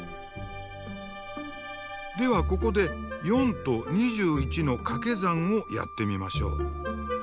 ではここで４と２１のかけ算をやってみましょう。